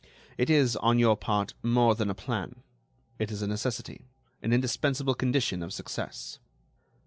It is, on your part, more than a plan; it is a necessity, an indispensable condition of success."